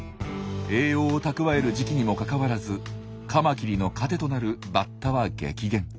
栄養を蓄える時期にもかかわらずカマキリの糧となるバッタは激減。